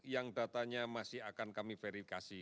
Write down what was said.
yang datanya masih akan kami verifikasi